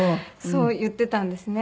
そう言ってたんですね。